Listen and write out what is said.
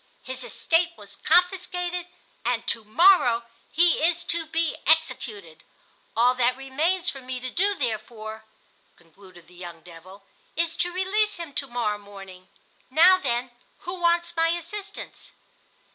His estate was confiscated, and to morrow he is to be executed. All that remains for me to do, therefore," concluded the young devil, "is to release him to morrow morning. Now, then, who wants my assistance?"